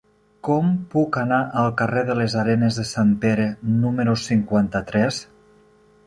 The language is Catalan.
Com puc anar al carrer de les Arenes de Sant Pere número cinquanta-tres?